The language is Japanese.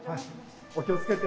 お気をつけて。